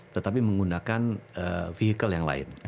tetapi menggunakan vehicle yang lain